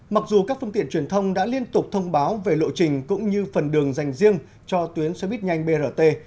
mặc dù các phương tiện truyền thông đã liên tục thông báo về lộ trình cũng như phần đường dành riêng cho tuyến xe buýt nhanh brt